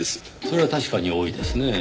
それは確かに多いですねぇ。